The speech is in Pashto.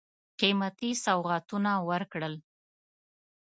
قېمتي سوغاتونه ورکړل.